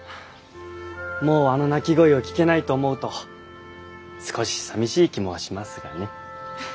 もうあの泣き声を聞けないと思うと少しさみしい気もしますがね。